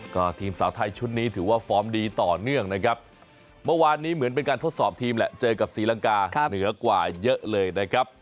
ก็ทีมสาวไทยชุดนี้ถือว่าฟอร์มดีต่อเนื่องนะครับเมื่อวานนี้เหมือนเป็นการทดสอบทีมแหละเจอกับศรีลังกาเหนือกว่าเยอะเลยนะครับ